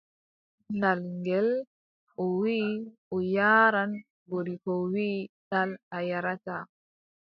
Ɗal ngel, o wii o yaaran, goriiko wii : ɗal a yaarataa.